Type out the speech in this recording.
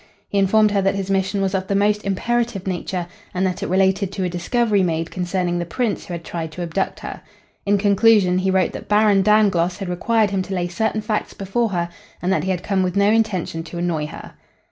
He informed her that his mission was of the most imperative nature and that it related to a discovery made concerning the Prince who had tried to abduct her. In conclusion, he wrote that Baron Dangloss had required him to lay certain facts before her and that he had come with no intention to annoy her.